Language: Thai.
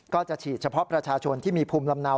ก็จะฉีดเฉพาะประชาชนที่มีภูมิลำเนา